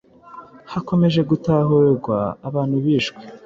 Hakomeje gutahurwa abantu bishwe